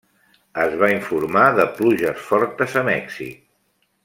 Es va informar de pluges fortes a Mèxic.